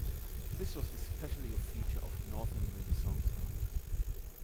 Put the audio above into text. This was especially a feature of Northern Renaissance art.